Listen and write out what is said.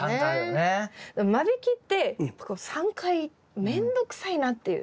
間引きって３回面倒くさいなっていう。